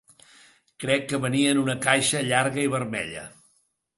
Crec que venia en una caixa llarga i vermella.